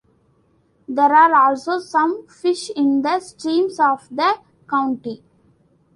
There are also some fish in the streams of the county.